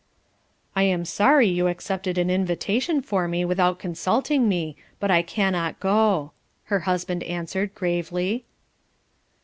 "I am sorry you accepted an invitation for me, without consulting me, but I cannot go," her husband answered gravely.